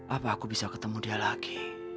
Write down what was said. apa aku bisa ketemu dia lagi